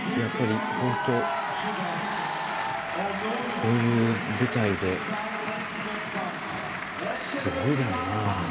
こういう舞台で、すごいだろうな。